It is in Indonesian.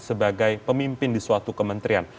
sebagai pemimpin di suatu kementerian